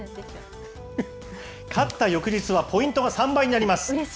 勝った翌日は、ポイントが３倍になります。